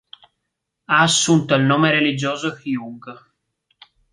Ha assunto il nome religioso Hugh.